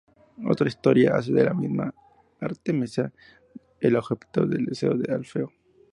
Otra historia hace de la misma Artemisa el objeto del deseo de Alfeo.